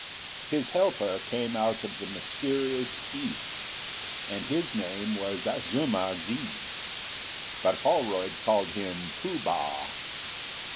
His helper came out of the mysterious East, and his name was Azuma zi. But Holroyd called him Pooh bah.